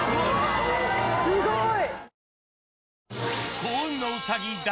すごい！